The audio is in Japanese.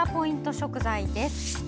食材です。